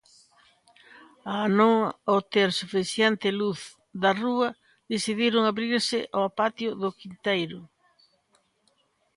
Ao non obter suficiente luz da rúa, decidiron abrirse ao patio do quinteiro.